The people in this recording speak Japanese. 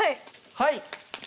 はい！